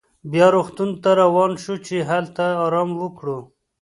بیا روغتون ته روان شوو چې هلته ارام وکړو.